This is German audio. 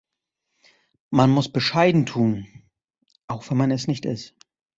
Man muss bescheiden tun, auch wenn man es nicht ist.